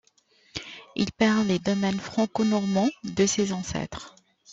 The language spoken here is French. Il perd les domaines franco-normands de ses ancêtres.